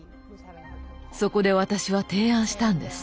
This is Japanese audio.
そこで私は提案したんです。